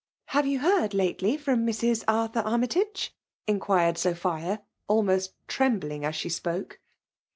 . "Have you heard lately from Mrs. Arthur Armytage ?" inquired Sophia, almost trem Uing ^s she spoke.